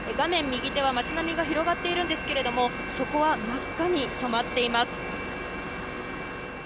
右手に街並みが広がっているんですがそこは真っ赤に染まっています。